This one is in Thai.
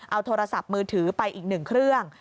เอาโทรศัพท์มือถือไปอีก๑เครื่อง